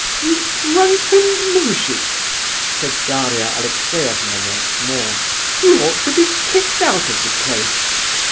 "You drunken moujik," said Daria Alexeyevna, once more. "You ought to be kicked out of the place."